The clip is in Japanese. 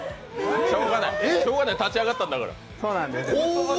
しょうがない、立ち上がったんだから。